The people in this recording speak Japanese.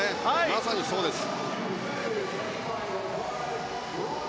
まさにそうです。